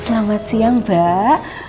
selamat siang mbak